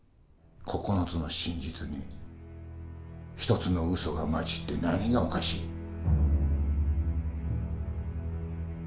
９つの真実に一つのうそが混じって何がおかしい。